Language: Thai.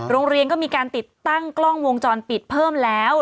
โรงเรียนก็มีการติดตั้งกล้องวงจรปิดเพิ่มแล้ว